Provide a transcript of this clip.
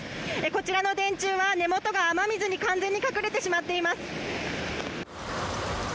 こちらの電柱は根元が雨水に完全に隠れてしまっています。